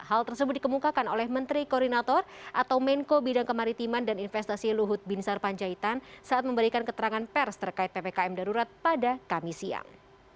hal tersebut dikemukakan oleh menteri koordinator atau menko bidang kemaritiman dan investasi luhut binsar panjaitan saat memberikan keterangan pers terkait ppkm darurat pada kamis siang